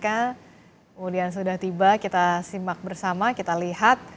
kemudian sudah tiba kita simak bersama kita lihat